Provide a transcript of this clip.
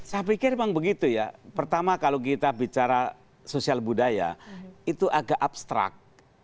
saya pikir memang begitu ya pertama kalau kita bicara sosial budaya itu agak abstrak